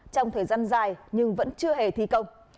trong thời gian dài nhưng vẫn chưa hề thi công